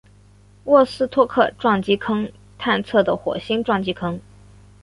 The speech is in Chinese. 沃斯托克撞击坑探测的火星撞击坑。